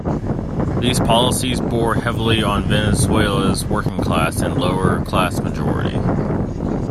These policies bore heavily on Venezuela's working class and lower class majority.